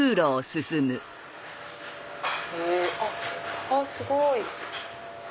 あっすごい。